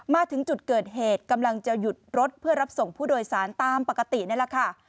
มาถึงจุดเกิดเหตุกำลังจะหยุดรถเพื่อรับส่งผู้โดยสารตามปกตินี่แหละค่ะ